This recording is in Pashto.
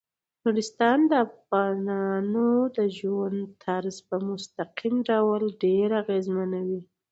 نورستان د افغانانو د ژوند طرز په مستقیم ډول ډیر اغېزمنوي.